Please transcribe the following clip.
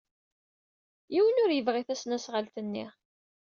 Yiwen ur yebɣi tasnasɣalt-nni.